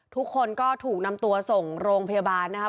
ทุกคนก็ถูกนำตัวส่งโรงพยาบาลนะครับ